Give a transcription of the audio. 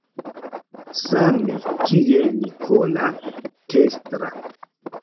Same kiel Nikola Tesla.